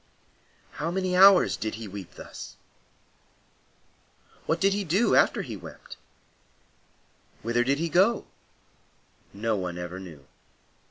How many hours did he weep thus? What did he do after he had wept? Whither did he go! No one ever knew.